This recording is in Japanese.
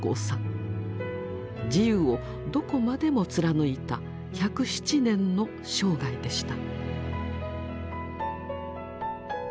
自由をどこまでも貫いた１０７年の生涯でした。